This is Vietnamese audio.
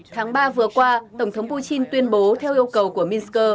tháng ba vừa qua tổng thống putin tuyên bố theo yêu cầu của minsk